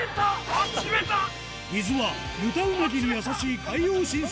水はヌタウナギに優しい海洋深層水